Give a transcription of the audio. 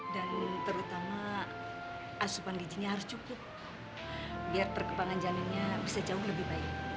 dan terutama asupan gijinya harus cukup biar perkembangan janinnya bisa jauh lebih baik